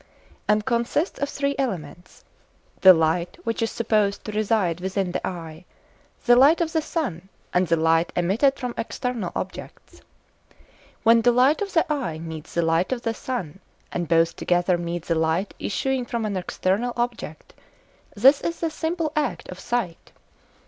and consists of three elements—the light which is supposed to reside within the eye, the light of the sun, and the light emitted from external objects. When the light of the eye meets the light of the sun, and both together meet the light issuing from an external object, this is the simple act of sight.